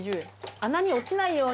穴に落ちないように。